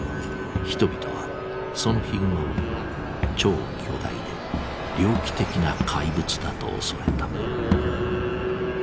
人々はそのヒグマを「超巨大で猟奇的な怪物」だと恐れた。